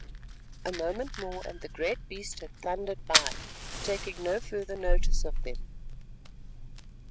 A moment more and the great beast had thundered by, taking no further notice of them.